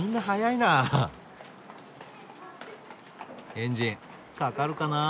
エンジンかかるかなあ。